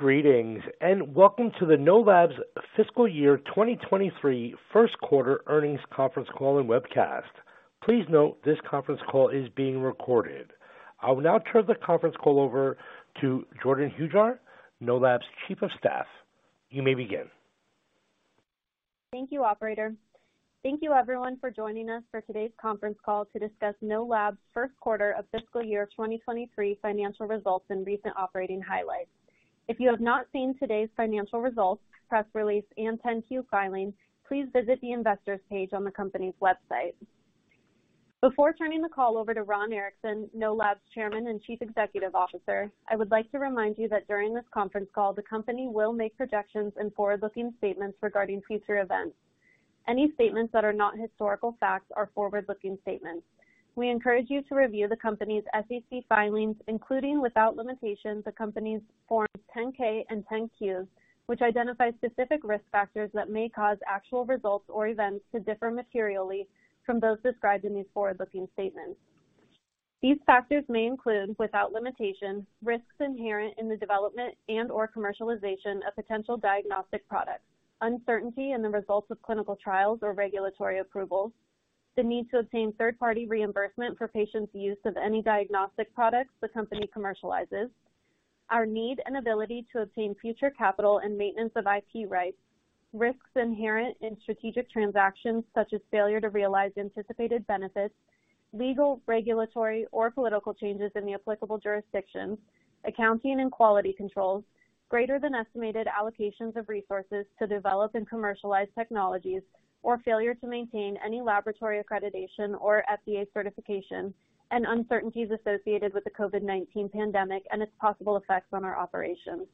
Greetings, welcome to the Know Labs Fiscal Year 2023 First Quarter Earnings Conference Call and Webcast. Please note this conference call is being recorded. I will now turn the conference call over to Jordyn Hujar, Know Labs' Chief of Staff. You may begin. Thank you, Operator. Thank you everyone for joining us for today's conference call to discuss Know Labs' first quarter of fiscal year 2023 financial results and recent operating highlights. If you have not seen today's financial results, press release, and 10-Q filing, please visit the investors page on the company's website. Before turning the call over to Ron Erickson, Know Labs' Chairman and Chief Executive Officer, I would like to remind you that during this conference call, the company will make projections and forward-looking statements regarding future events. Any statements that are not historical facts are forward-looking statements. We encourage you to review the company's SEC filings, including, without limitation, the company's Forms 10-K and 10-Qs, which identify specific risk factors that may cause actual results or events to differ materially from those described in these forward-looking statements. These factors may include, without limitation, risks inherent in the development and/or commercialization of potential diagnostic products, uncertainty in the results of clinical trials or regulatory approvals, the need to obtain third-party reimbursement for patients' use of any diagnostic products the company commercializes, our need and ability to obtain future capital and maintenance of IP rights, risks inherent in strategic transactions such as failure to realize anticipated benefits, legal, regulatory, or political changes in the applicable jurisdictions, accounting and quality controls, greater than estimated allocations of resources to develop and commercialize technologies or failure to maintain any laboratory accreditation or FDA certification, and uncertainties associated with the COVID-19 pandemic and its possible effects on our operations.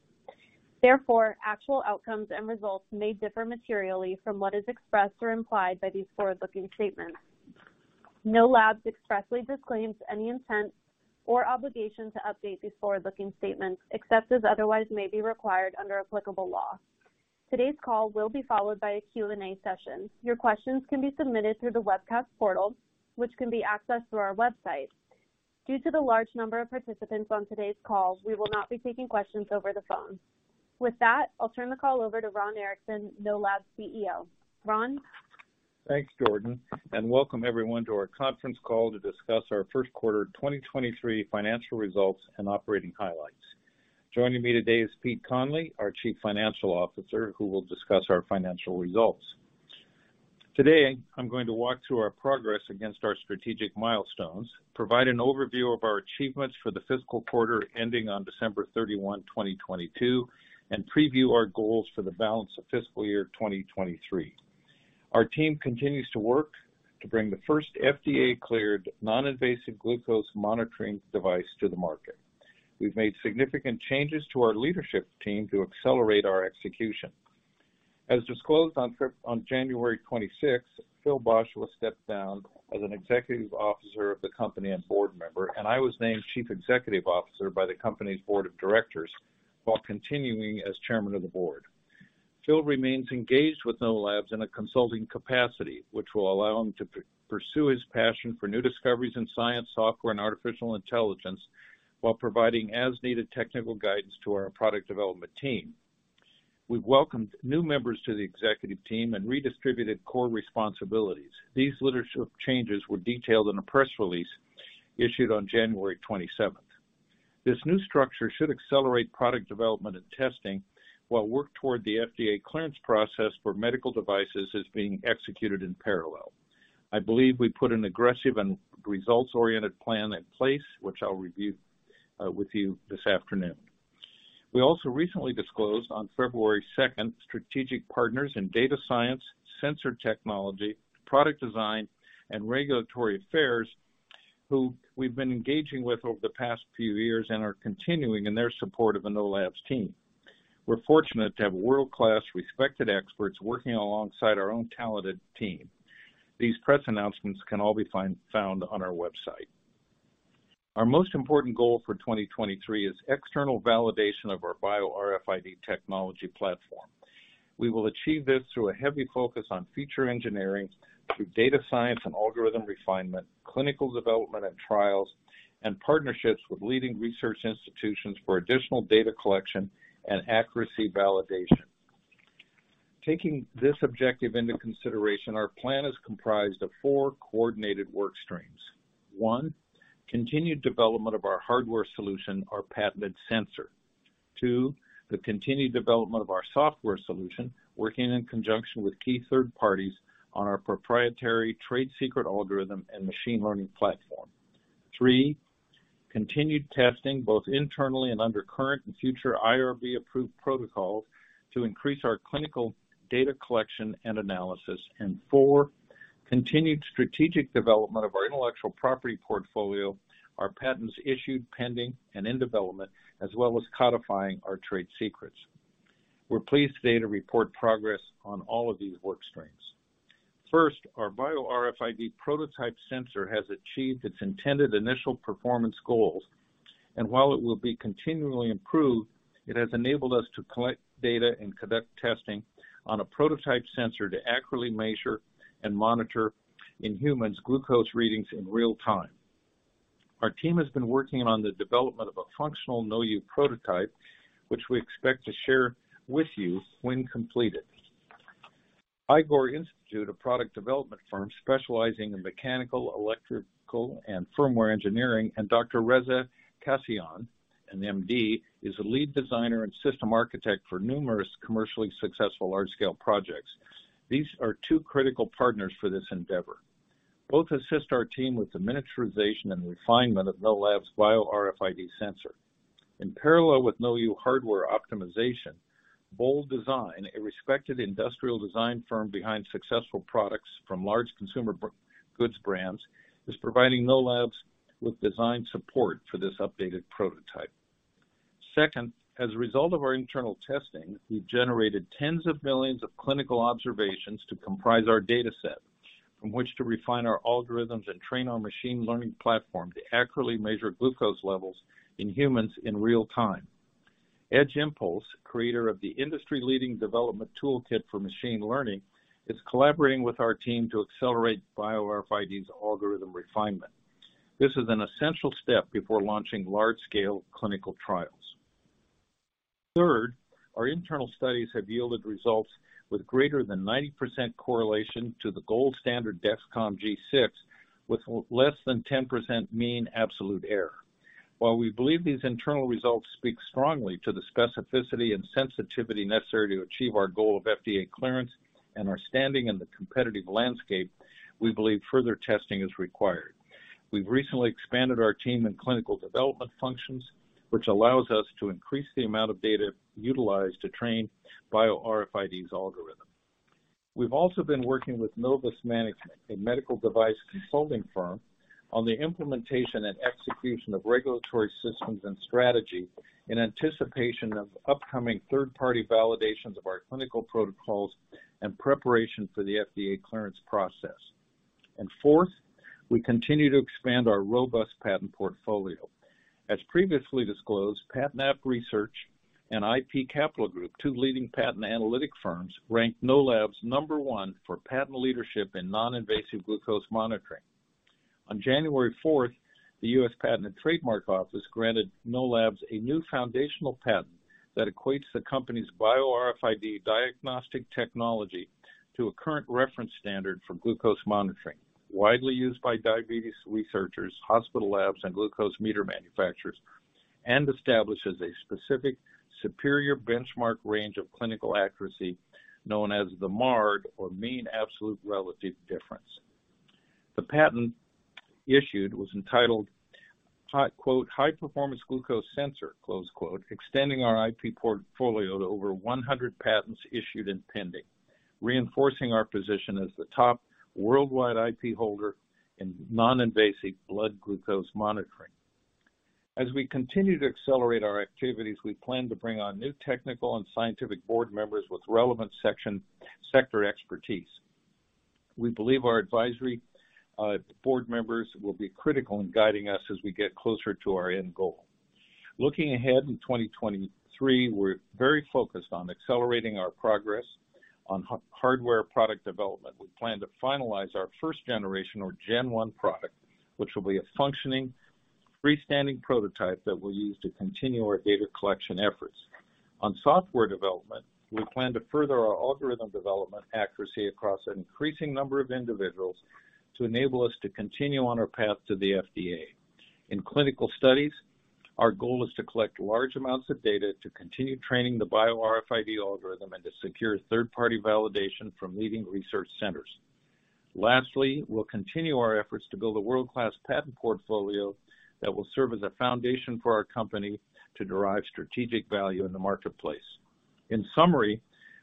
Therefore, actual outcomes and results may differ materially from what is expressed or implied by these forward-looking statements. Know Labs expressly disclaims any intent or obligation to update these forward-looking statements, except as otherwise may be required under applicable law. Today's call will be followed by a Q&A session. Your questions can be submitted through the webcast portal, which can be accessed through our website. Due to the large number of participants on today's call, we will not be taking questions over the phone. With that, I'll turn the call over to Ron Erickson, Know Labs CEO. Ron? Thanks, Jordyn Hujar, welcome everyone to our conference call to discuss our first quarter 2023 financial results and operating highlights. Joining me today is Pete Conley, our Chief Financial Officer, who will discuss our financial results. Today, I'm going to walk through our progress against our strategic milestones, provide an overview of our achievements for the fiscal quarter ending on December 31, 2022, and preview our goals for the balance of fiscal year 2023. Our team continues to work to bring the first FDA-cleared, non-invasive glucose monitoring device to the market. We've made significant changes to our leadership team to accelerate our execution. As disclosed on January 26, Phil Bosua will step down as an executive officer of the company and board member, I was named Chief Executive Officer by the company's board of directors while continuing as Chairman of the board. Phil remains engaged with Know Labs in a consulting capacity, which will allow him to pursue his passion for new discoveries in science, software, and artificial intelligence while providing as-needed technical guidance to our product development team. We've welcomed new members to the executive team and redistributed core responsibilities. These leadership changes were detailed in a press release issued on January 27th. This new structure should accelerate product development and testing while work toward the FDA clearance process for medical devices is being executed in parallel. I believe we put an aggressive and results-oriented plan in place, which I'll review with you this afternoon. We also recently disclosed on February 2nd, strategic partners in data science, sensor technology, product design, and regulatory affairs, who we've been engaging with over the past few years and are continuing in their support of the Know Labs team. We're fortunate to have world-class respected experts working alongside our own talented team. These press announcements can all be found on our website. Our most important goal for 2023 is external validation of our Bio-RFID technology platform. We will achieve this through a heavy focus on feature engineering through data science and algorithm refinement, clinical development and trials, and partnerships with leading research institutions for additional data collection and accuracy validation. Taking this objective into consideration, our plan is comprised of four coordinated work streams. One continued development of our hardware solution, our patented sensor. Two the continued development of our software solution, working in conjunction with key third parties on our proprietary trade secret algorithm and machine learning platform. Three continued testing both internally and under current and future IRB-approved protocols to increase our clinical data collection and analysis. Four continued strategic development of our intellectual property portfolio, our patents issued, pending, and in development, as well as codifying our trade secrets. We're pleased today to report progress on all of these work streams. First, our Bio-RFID prototype sensor has achieved its intended initial performance goals. While it will be continually improved, it has enabled us to collect data and conduct testing on a prototype sensor to accurately measure and monitor in humans glucose readings in real time. Our team has been working on the development of a functional KnowU prototype, which we expect to share with you when completed. Igor Institute, a product development firm specializing in mechanical, electrical, and firmware engineering, and Dr. Reza Ghassem-Kassary, and MD, is a Lead Designer and System Architect for numerous commercially successful large-scale projects. These are two critical partners for this endeavor. Both assist our team with the miniaturization and refinement of Know Labs' Bio-RFID sensor. In parallel with KnowU hardware optimization, Bould Design, a respected industrial design firm behind successful products from large consumer goods brands, is providing Know Labs with design support for this updated prototype. Second, as a result of our internal testing, we've generated tens of millions of clinical observations to comprise our data set, from which to refine our algorithms and train our machine learning platform to accurately measure glucose levels in humans in real time. Edge Impulse, creator of the industry-leading development toolkit for machine learning, is collaborating with our team to accelerate Bio-RFID's algorithm refinement. This is an essential step before launching large-scale clinical trials. Third, our internal studies have yielded results with greater than 90% correlation to the gold standard Dexcom G6, with less than 10% mean absolute error. While we believe these internal results speak strongly to the specificity and sensitivity necessary to achieve our goal of FDA clearance and our standing in the competitive landscape, we believe further testing is required. We've recently expanded our team in clinical development functions, which allows us to increase the amount of data utilized to train Bio-RFID's algorithm. We've also been working with Novus Management, a medical device consulting firm, on the implementation and execution of regulatory systems and strategy in anticipation of upcoming third-party validations of our clinical protocols and preparation for the FDA clearance process. Fourth, we continue to expand our robust patent portfolio. As previously disclosed, PatNav Research and ipCapital Group, two leading patent analytic firms, ranked Know Labs number one for patent leadership in non-invasive glucose monitoring. On January fourth, the United States Patent and Trademark Office granted Know Labs a new foundational patent that equates the company's Bio-RFID diagnostic technology to a current reference standard for glucose monitoring, widely used by diabetes researchers, hospital labs, and glucose meter manufacturers, and establishes a specific superior benchmark range of clinical accuracy known as the MARD, or mean absolute relative difference. The patent issued was entitled, "High Performance Glucose Sensor," extending our IP portfolio to over 100 patents issued and pending, reinforcing our position as the top worldwide IP holder in non-invasive blood glucose monitoring. As we continue to accelerate our activities, we plan to bring on new technical and scientific board members with relevant sector expertise. We believe our advisory board members will be critical in guiding us as we get closer to our end goal. Looking ahead in 2023, we're very focused on accelerating our progress on hardware product development. We plan to finalize our first generation or Gen 1 product, which will be a functioning freestanding prototype that we'll use to continue our data collection efforts. On software development, we plan to further our algorithm development accuracy across an increasing number of individuals to enable us to continue on our path to the FDA. In clinical studies, our goal is to collect large amounts of data to continue training the Bio-RFID algorithm and to secure third-party validation from leading research centers. Lastly, we'll continue our efforts to build a world-class patent portfolio that will serve as a foundation for our company to derive strategic value in the marketplace. In summary,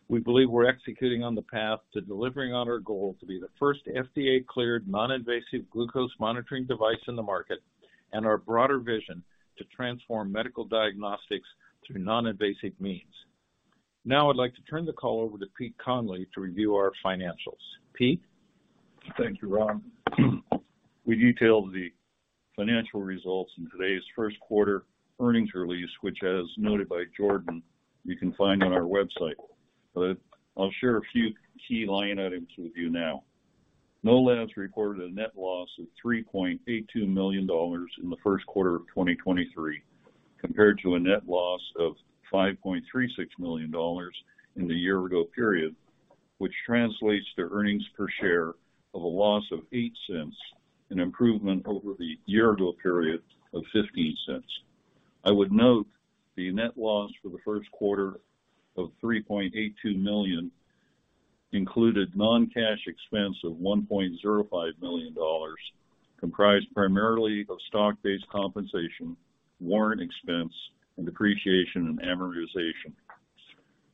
we believe we're executing on the path to delivering on our goal to be the first FDA-cleared, non-invasive glucose monitoring device in the market and our broader vision to transform medical diagnostics through non-invasive means. Now I'd like to turn the call over to Pete Conley to review our financials. Pete? Thank you, Ron. We detailed the financial results in today's first quarter earnings release, which as noted by Jordyn, you can find on our website. I'll share a few key line items with you now. Know Labs reported a net loss of $3.82 million in the first quarter of 2023, compared to a net loss of $5.36 million in the year ago period, which translates to earnings per share of a loss of $0.08, an improvement over the year ago period of $0.15. I would note the net loss for the first quarter of $3.82 million included non-cash expense of $1.05 million, comprised primarily of stock-based compensation, warrant expense, and depreciation and amortization.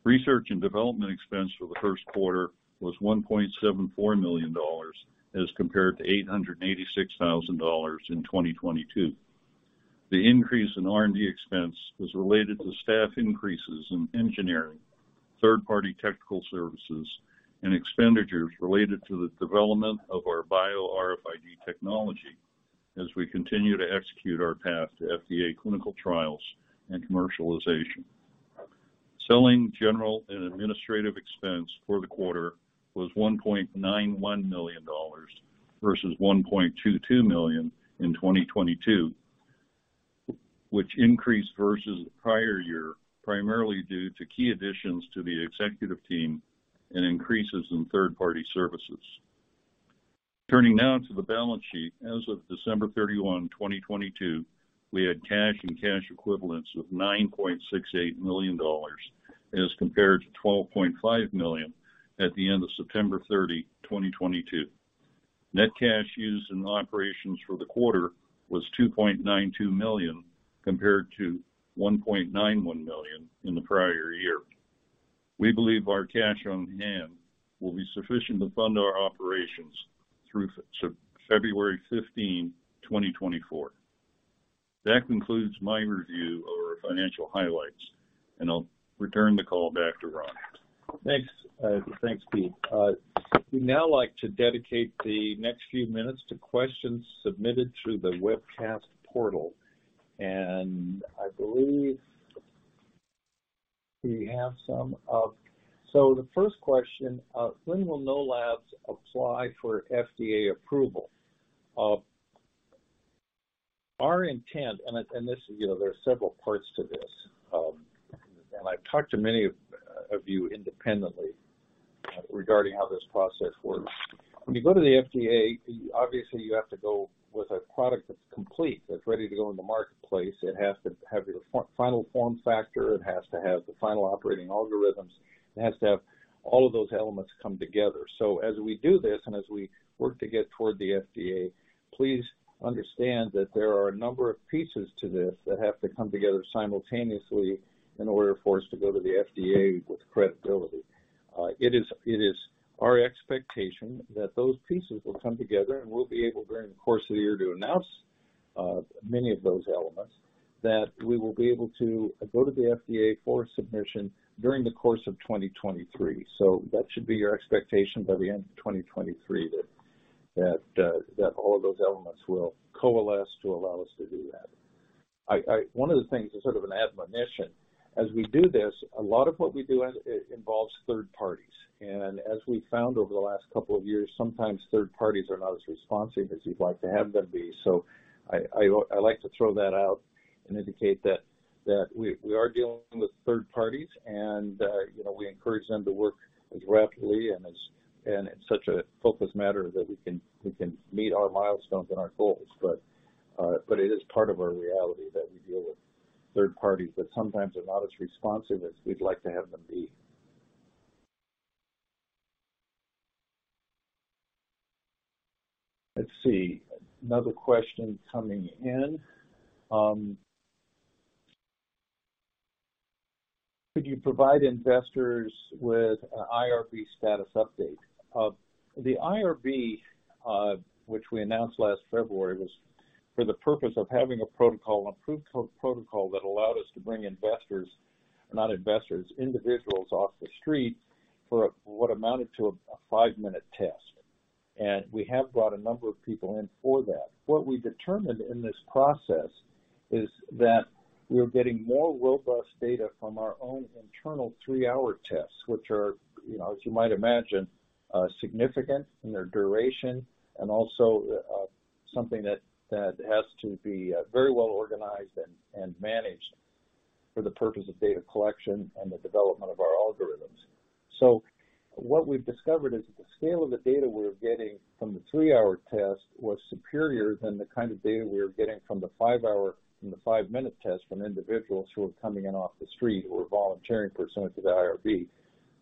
Research and development expense for the first quarter was $1.74 million as compared to $886,000 in 2022. The increase in R&D expense was related to staff increases in engineering, third-party technical services, and expenditures related to the development of our Bio-RFID technology as we continue to execute our path to FDA clinical trials and commercialization. Selling general and administrative expense for the quarter was $1.91 million versus $1.22 million in 2022, which increased versus the prior year, primarily due to key additions to the executive team and increases in third-party services. Turning now to the balance sheet. As of December 31, 2022, we had cash and cash equivalents of $9.68 million as compared to $12.5 million at the end of September 30, 2022. Net cash used in operations for the quarter was $2.92 million compared to $1.91 million in the prior year. We believe our cash on hand will be sufficient to fund our operations through February 15, 2024. That concludes my review of our financial highlights. I'll return the call back to Ron. Thanks. Thanks, Pete. We'd now like to dedicate the next few minutes to questions submitted through the webcast portal. I believe we have some. The first question: When will Know Labs apply for FDA approval? Our intent, and this, you know, there are several parts to this. I've talked to many of you independently regarding how this process works. When you go to the FDA, obviously you have to go with a product that's complete, that's ready to go in the marketplace. It has to have your final form factor, it has to have the final operating algorithms, it has to have all of those elements come together. As we do this and as we work to get toward the FDA, please understand that there are a number of pieces to this that have to come together simultaneously in order for us to go to the FDA with credibility. It is our expectation that those pieces will come together and we'll be able, during the course of the year, to announce many of those elements, that we will be able to go to the FDA for submission during the course of 2023. That should be your expectation by the end of 2023, that all of those elements will coalesce to allow us to do that. One of the things as sort of an admonition, as we do this, a lot of what we do involves third parties. As we found over the last couple of years, sometimes third parties are not as responsive as you'd like to have them be. I like to throw that out and indicate that we are dealing with third parties and, you know, we encourage them to work as rapidly and in such a focused manner that we can meet our milestones and our goals. It is part of our reality that we deal with third parties that sometimes are not as responsive as we'd like to have them be. Let's see. Another question coming in. Could you provide investors with an IRB status update? The IRB, which we announced last February, was for the purpose of having an approved co-protocol that allowed us to bring investors... not investors, individuals off the street for what amounted to a five-minute test. We have brought a number of people in for that. What we determined in this process is that we're getting more robust data from our own internal three-hour tests, which are, you know, as you might imagine, significant in their duration and also something that has to be very well organized and managed for the purpose of data collection and the development of our algorithms. What we've discovered is that the scale of the data we were getting from the three-hour test was superior than the kind of data we were getting from the five-hour and the five-minute test from individuals who were coming in off the street who were volunteering for some of the IRB.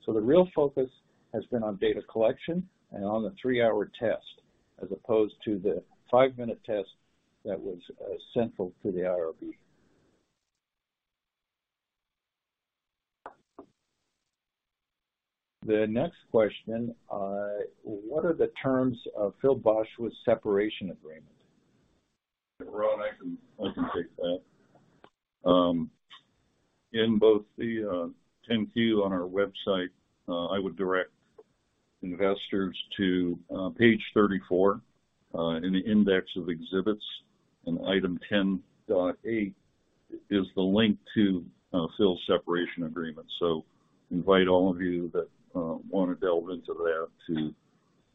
The real focus has been on data collection and on the three-hour test, as opposed to the five-minute test that was central to the IRB. The next question: What are the terms of Phil Bosua's separation agreement? Ron, I can take that. In both the 10-Q on our website, I would direct investors to page 34 in the index of exhibits, and item 10.8 is the link to Phil's separation agreement. Invite all of you that wanna delve into that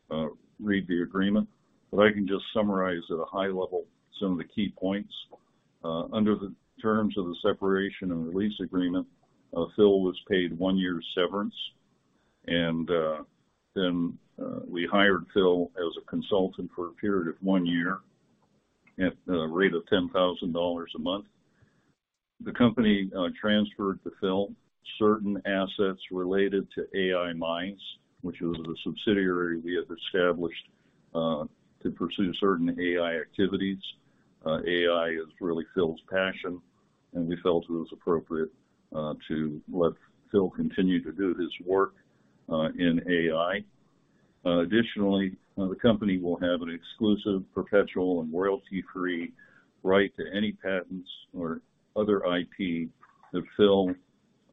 to read the agreement. I can just summarize at a high level some of the key points. Under the terms of the separation and release agreement, Phil was paid 1 year's severance. Then we hired Phil as a consultant for a period of one year at a rate of $10,000 a month. The company transferred to Phil certain assets related to AI Minds, which was a subsidiary we had established to pursue certain AI activities. AI is really Phil's passion. We felt it was appropriate to let Phil continue to do his work in AI. Additionally, the company will have an exclusive, perpetual, and royalty-free right to any patents or other IP that Phil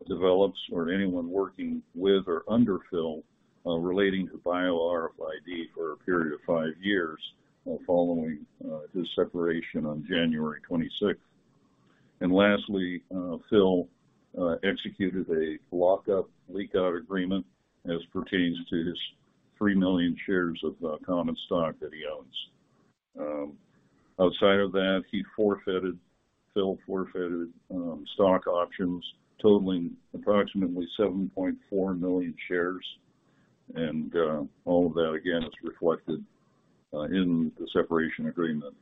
develops or anyone working with or under Phil relating to Bio-RFID for a period of five years following his separation on January 26th. Lastly, Phil executed a lock up leak out agreement as pertains to his 3 million shares of common stock that he owns. Outside of that, Phil forfeited stock options totaling approximately 7.4 million shares. All of that, again, is reflected in the separation agreement,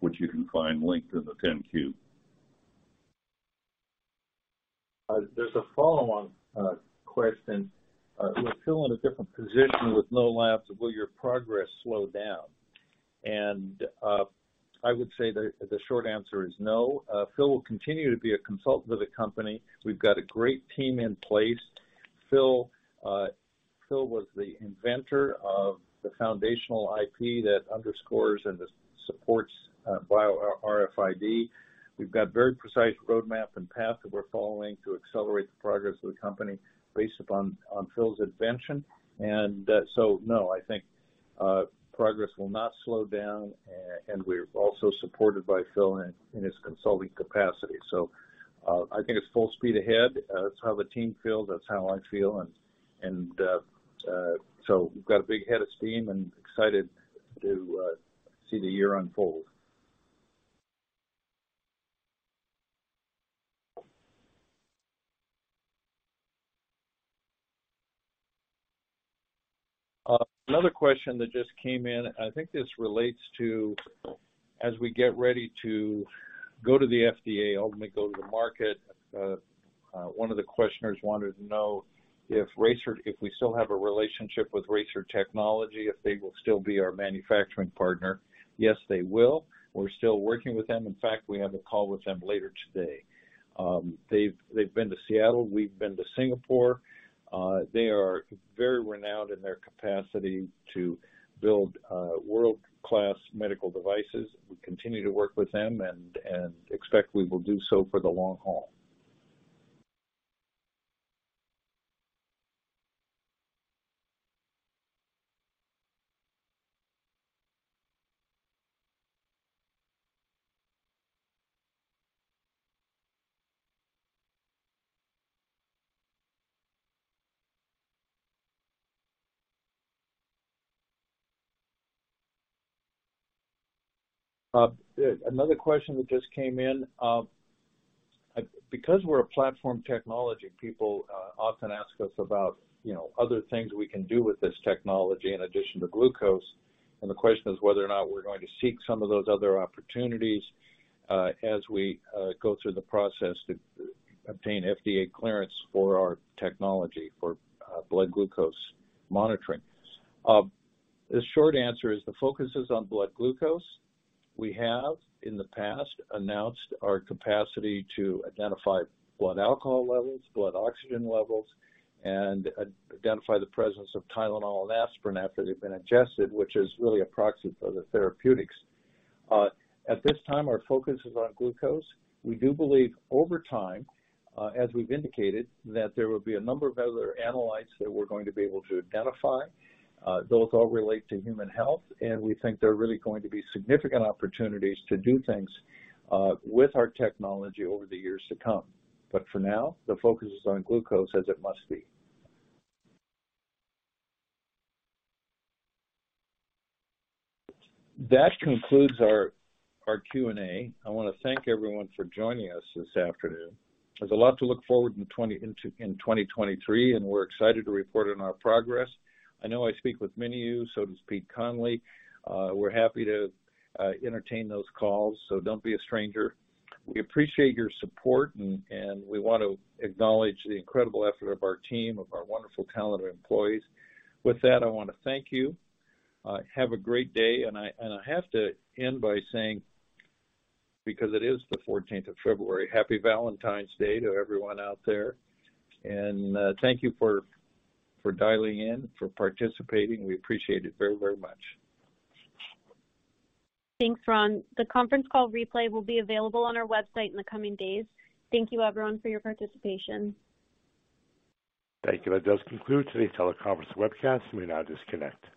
which you can find linked in the 10-Q. There's a follow-on question. With Phil in a different position with Know Labs, will your progress slow down? I would say the short answer is no. Phil will continue to be a consultant with the company. We've got a great team in place. Phil was the inventor of the foundational IP that underscores and supports Bio-RFID. We've got very precise roadmap and path that we're following to accelerate the progress of the company based upon Phil's invention. No, I think progress will not slow down. We're also supported by Phil in his consulting capacity. I think it's full speed ahead. That's how the team feels, that's how I feel. We've got a big head of steam and excited to see the year unfold. Another question that just came in, I think this relates to as we get ready to go to the FDA, ultimately go to the market, one of the questioners wanted to know if we still have a relationship with Racer Technology, if they will still be our manufacturing partner. Yes, they will. We're still working with them. In fact, we have a call with them later today. They've been to Seattle, we've been to Singapore. They are very renowned in their capacity to build world-class medical devices. We continue to work with them and expect we will do so for the long haul. Another question that just came in because we're a platform technology, people often ask us about, you know, other things we can do with this technology in addition to glucose. The question is whether or not we're going to seek some of those other opportunities as we go through the process to obtain FDA clearance for our technology for blood glucose monitoring. The short answer is the focus is on blood glucose. We have in the past announced our capacity to identify blood alcohol levels, blood oxygen levels, and identify the presence of Tylenol and Aspirin after they've been ingested, which is really a proxy for the therapeutics. At this time, our focus is on glucose. We do believe over time, as we've indicated, that there will be a number of other analytes that we're going to be able to identify. Those all relate to human health, and we think there are really going to be significant opportunities to do things with our technology over the years to come. But for now, the focus is on glucose, as it must be. That concludes our Q&A. I wanna thank everyone for joining us this afternoon. There's a lot to look forward in 2023, and we're excited to report on our progress. I know I speak with many of you, so does Pete Conley. We're happy to entertain those calls, so don't be a stranger. We appreciate your support, and we want to acknowledge the incredible effort of our team, of our wonderful, talented employees. With that, I wanna thank you. Have a great day. I have to end by saying, because it is the 14th of February, Happy Valentine's Day to everyone out there. Thank you for dialing in, for participating. We appreciate it very, very much. Thanks, Ron. The conference call replay will be available on our website in the coming days. Thank you everyone for your participation. Thank you. That does conclude today's teleconference webcast. You may now disconnect.